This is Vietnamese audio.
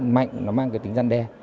mạnh nó mang cái tính gian đe